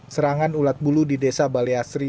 serangan ulat bulu di desa baleasri